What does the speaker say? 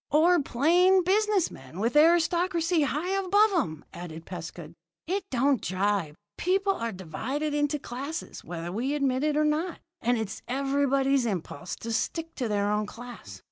"Or plain business men with aristocracy high above 'em," added Pescud. "It don't jibe. People are divided into classes, whether we admit it or not, and it's everybody's impulse to stick to their own class.